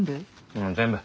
うん全部。